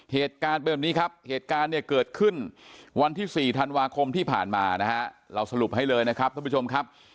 เหตุการณ์เป็นแบบนี้ครับเหตุการณ์เนี่ยเกิดขึ้นวันที่๔ธันวาคมที่ผ่านมานะฮะเราสรุปให้เลยนะครับท่านผู้ชมครับ